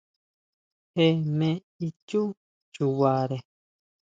Jee me ichú chubare.